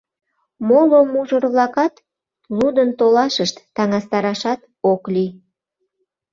Моло мужыр-влакат лудын толашышт, таҥастарашат ок лий.